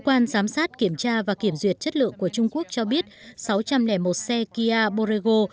quan giám sát kiểm tra và kiểm duyệt chất lượng của trung quốc cho biết sáu trăm linh một xe kia borrego